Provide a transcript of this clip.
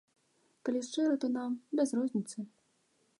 Калі шчыра, то нам без розніцы.